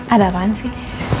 ada apaan sih